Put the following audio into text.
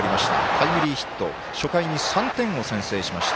タイムリーヒット初回に３点を先制しました。